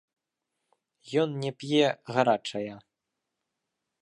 Ён не п'е гарачая.